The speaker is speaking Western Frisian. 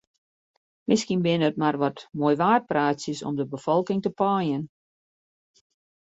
Miskien binne it mar wat moaiwaarpraatsjes om de befolking te paaien.